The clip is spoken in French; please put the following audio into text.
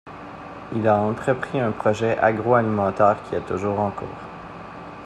Il a entrepris un projet agro-alimentaire qui est toujours en cours.